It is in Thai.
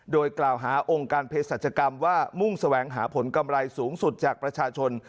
โดยกล่าวหาองค์การเพศรัชกรรมว่ามุ่งแสวงหาผลกำไรสูงสุดจากประชาชน